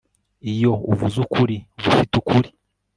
Iyo uvuze ukuri uba ufite ukuri